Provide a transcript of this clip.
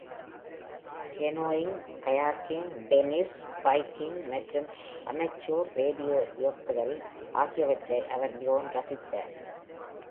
Canoeing, kayaking, tennis, biking மற்றும் amateur radio இயக்குதல் ஆகியவற்றை அவர் மிகவும் ரசித்தார்.